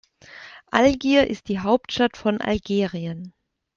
Algier ist die Hauptstadt von Algerien.